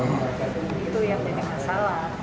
itu yang dinyatakan salah